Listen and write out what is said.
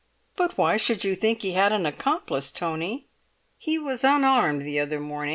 "But why should you think he had an accomplice, Tony?" "He was unarmed the other morning.